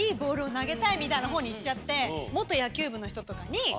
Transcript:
みたいな方にいっちゃって。